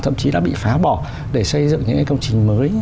thậm chí đã bị phá bỏ để xây dựng những công trình mới